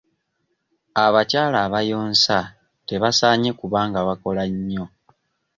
Abakyala abayonsa tebasaanye kuba nga bakola nnyo.